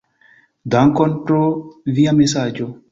Dankon pro via mesaĝo.